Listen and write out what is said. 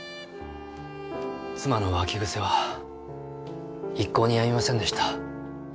妻の浮気癖は一向にやみませんでした。